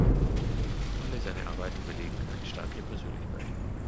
Alle seine Arbeiten belegen eine starke Persönlichkeit.